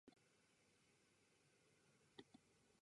黒竜江省の省都はハルビンである